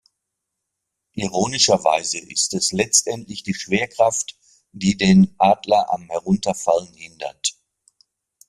Ironischerweise ist es letztendlich die Schwerkraft, die den Adler am Herunterfallen hindert.